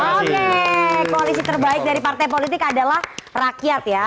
oke koalisi terbaik dari partai politik adalah rakyat ya